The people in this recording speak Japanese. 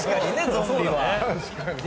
ゾンビは。